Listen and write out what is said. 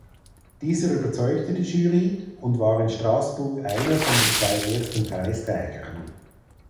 Dieser überzeugte die Jury und war in Straßburg einer von den zwei ersten Preisträgern.